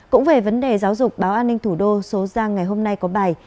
cũng về vấn đề giáo dục báo an ninh thủ đô số ra ngày hôm nay có bài